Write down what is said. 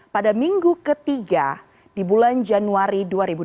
pada minggu ketiga di bulan januari dua ribu dua puluh